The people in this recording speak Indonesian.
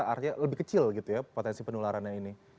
artinya lebih kecil gitu ya potensi penularannya ini